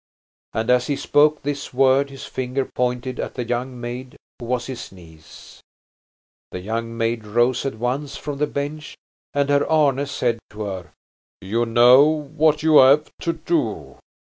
And as he spoke this word his finger pointed at the young maid who was his niece. The young maid rose at once from the bench, and Herr Arne said to her: "You know what you have to do."